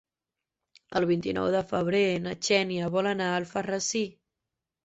El vint-i-nou de febrer na Xènia vol anar a Alfarrasí.